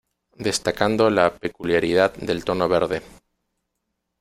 Destacando la peculiaridad del tono verde.